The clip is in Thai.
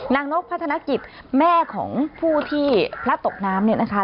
นางนกพัฒนกิจแม่ของผู้ที่พระตกน้ำนะคะ